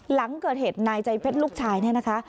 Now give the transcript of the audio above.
หลังเกิดเหตุนายใจเพชรลูกชายเนี่ยนะคะ